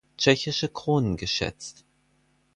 Tschechische Kronen geschätzt.